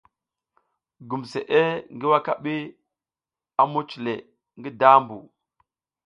Gumsʼe ngi wakabi a muc le ngi dambu.